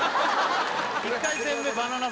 １回戦目バナナ